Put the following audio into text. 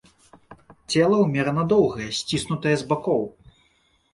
Цела умерана доўгае, сціснутае з бакоў.